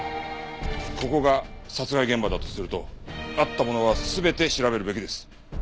ここが殺害現場だとするとあったものは全て調べるべきです。